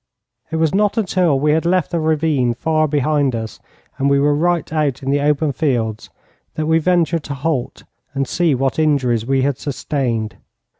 It was not until we had left the ravine far behind us and were right out in the open fields that we ventured to halt, and to see what injuries we had sustained.